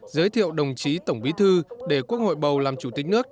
giới thiệu đồng chí tổng bí thư để quốc hội bầu làm chủ tịch nước